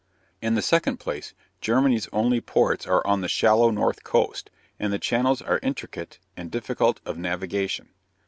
In the second place, Germany's only ports are on the shallow north coast, and the channels are intricate and difficult of navigation.